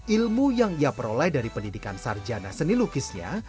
ilmu yang ia peroleh dari pendidikan sarjana seni lukisnya